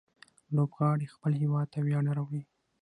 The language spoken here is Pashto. لوبغاړي خپل هيواد ته ویاړ راوړي.